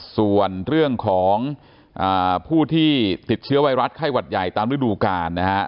ส่วนเรื่องของผู้ที่ติดเชื้อไวรัสไข้หวัดใหญ่ตามฤดูกาลนะฮะ